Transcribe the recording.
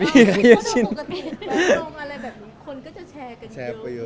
เมื่อเราลงอะไรแบบนี้คนก็จะแชร์กันเยอะ